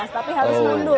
tapi harus mundur